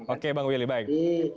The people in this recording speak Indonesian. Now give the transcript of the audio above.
oke bang willy baik